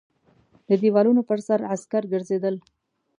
د دېوالونو پر سر عسکر ګرځېدل.